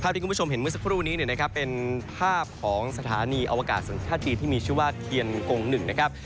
นี้คือสถานีอวกาศสังค์ธ้าตีที่มีชื่อว่าเทียนกรง๑นะครับ